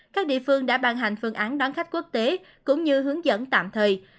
các địa phương đã ban hành phương án đón khách quốc tế cũng như hướng dẫn tạm thời